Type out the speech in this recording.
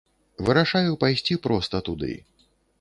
Вырашаю пайсці проста туды.